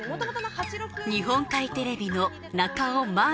日本海テレビの中尾真亜